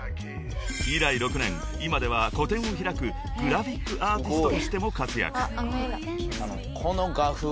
［以来６年今では個展を開くグラフィックアーティストとしても活躍］